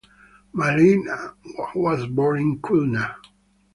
Maliha was born in Khulna.